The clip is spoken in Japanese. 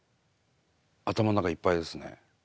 頭の中いっぱいですね。